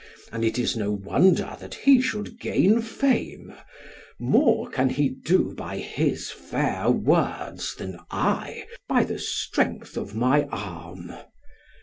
And it is no wonder that he should gain fame; more can he do by his fair words, than I by the strength of my arm."